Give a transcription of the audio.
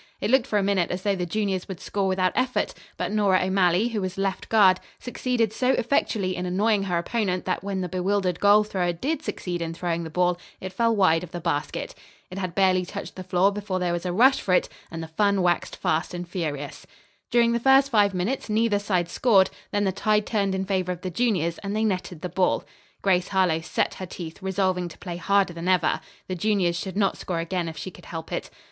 It looked for a minute as though the juniors would score without effort, but Nora O'Malley, who was left guard, succeeded so effectually in annoying her opponent that when the bewildered goal thrower did succeed in throwing the ball, it fell wide of the basket. It had barely touched the floor before there was a rush for it, and the fun waxed fast and furious. During the first five minutes neither side scored; then the tide turned in favor of the juniors and they netted the ball. Grace Harlowe set her teeth, resolving to play harder than ever. The juniors should not score again if she could help it.